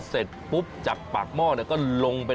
เสร็จปุ๊บจากปากหม้อก็ลงไป